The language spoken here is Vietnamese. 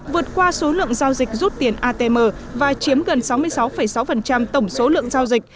vượt qua số lượng giao dịch rút tiền atm và chiếm gần sáu mươi sáu sáu tổng số lượng giao dịch